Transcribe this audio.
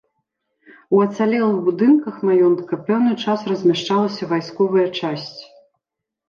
У ацалелых будынках маёнтка пэўны час размяшчалася вайсковая часць.